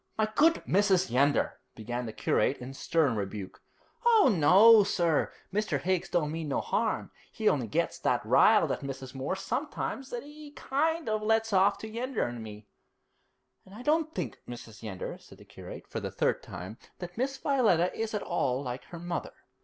"' 'My good Mrs. Yeander ' began the curate in stern rebuke. 'Oh, no, sir, Mr. Higgs don't mean no harm. He only gets that riled at Mrs. Moore sometimes that he kind of lets off to Yeander and me.' 'And I don't think, Mrs. Yeander,' said the curate, for the third time, 'that Miss Violetta is at all like her mother.'